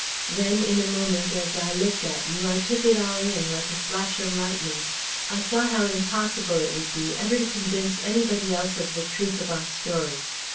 "Then, in a moment, as I looked at you, I took it all in, like a flash of lightning. I saw how impossible it would be ever to convince anybody else of the truth of our story.